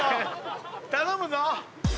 頼むぞ！